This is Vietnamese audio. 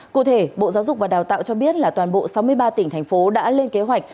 cụ thể bộ giáo dục và đào tạo cho biết là toàn bộ sáu mươi ba tỉnh thành phố đã lên kế hoạch